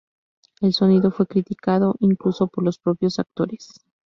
El sonido fue criticado, incluso, por los propios actores.